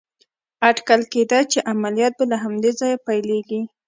اټکل کېده چې عملیات به له همدې ځایه پيلېږي.